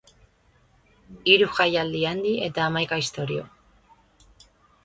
Hiru jaialdi handi eta hamaika istorio.